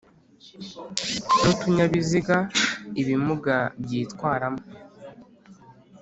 n’utunyabiziga ibimuga byitwaramo